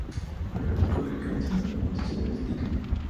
Oliver descubre que este nuevo justiciero es Diggle.